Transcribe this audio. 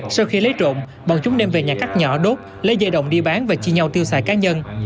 sau khi lấy trộm bọn chúng đem về nhà cắt nhỏ đốt lấy dây đồng đi bán và chia nhau tiêu xài cá nhân